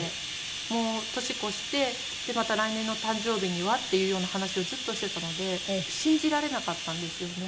もう年越してまた来年の誕生日にはっていうような話をずっとしてたので信じられなかったんですよね。